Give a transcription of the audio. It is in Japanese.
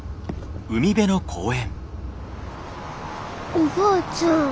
おばあちゃん。